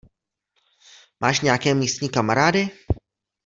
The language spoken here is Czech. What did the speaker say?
Máš nějaké místní kamarády?